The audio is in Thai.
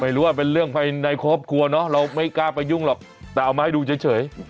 ไม่รู้ว่าเป็นเรื่องภายในครอบครัวเนอะเราไม่กล้าไปยุ่งหรอกแต่เอามาให้ดูเฉย